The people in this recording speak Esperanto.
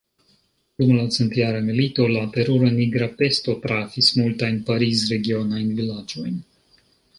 Dum la centjara milito, la terura nigra pesto trafis multajn Pariz-regionajn vilaĝojn.